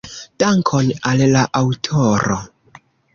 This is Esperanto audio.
Dankon al la aŭtoro.